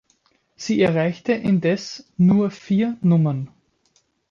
Sie erreichte indes nur vier Nummern.